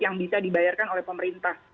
yang bisa dibayarkan oleh pemerintah